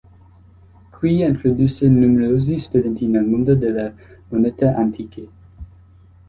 Qui introdusse numerosi studenti nel mondo della monete antiche.